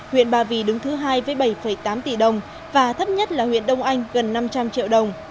huyện ba vì đứng thứ hai với bảy tám tỷ đồng và thấp nhất là huyện đông anh gần năm trăm linh triệu đồng